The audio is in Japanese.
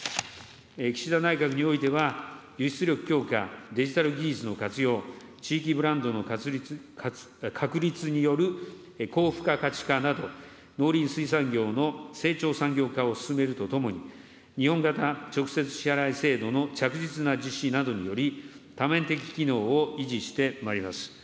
岸田内閣においては、輸出力の強化、デジタル技術の活用、地域ブランドの確立による高付加価値化など、農林水産業の成長産業化を進めるとともに、日本型直接支払い制度の着実な実施などにより、多面的機能を維持してまいります。